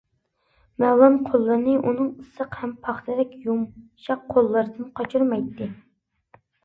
مەۋلان قولىنى ئۇنىڭ ئىسسىق ھەم پاختىدەك يۇمشاق قوللىرىدىن قاچۇرمايتتى.